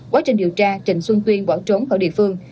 quá trình điều tra trịnh xuân tuyên bỏ trốn khỏi địa phương